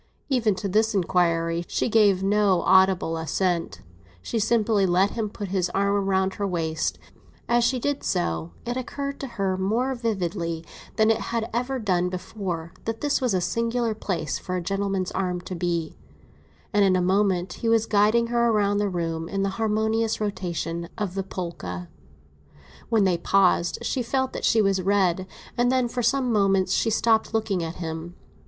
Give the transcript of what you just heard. Even to this inquiry she gave no audible assent; she simply let him put his arm round her waist—as she did so it occurred to her more vividly than it had ever done before, that this was a singular place for a gentleman's arm to be—and in a moment he was guiding her round the room in the harmonious rotation of the polka. When they paused she felt that she was red; and then, for some moments, she stopped looking at him.